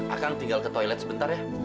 akan tinggal ke toilet sebentar ya